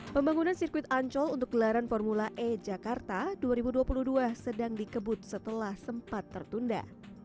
pembangunan sirkuit ancol untuk gelaran formula e jakarta dua ribu dua puluh dua sedang dikebut setelah sempat tertunda